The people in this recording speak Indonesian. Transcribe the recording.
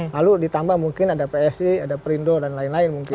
lalu ditambah mungkin ada psi ada perindo dan lain lain mungkin